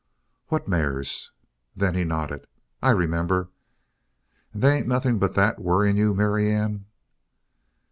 "What mares?" Then he nodded. "I remember. And they ain't nothing but that worrying you, Marianne."